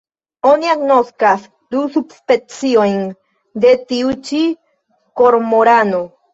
Oni agnoskas du subspeciojn de tiu ĉi kormorano.